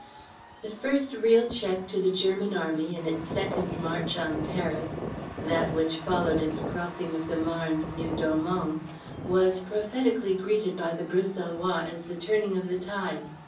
The first real check to the German Army in its second march on Paris that which followed its crossing of the Marne near Dormans was prophetically greeted by the Bruxellois as the turning of the tide.